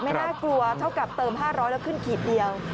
น่ากลัวเท่ากับเติม๕๐๐แล้วขึ้นขีดเดียว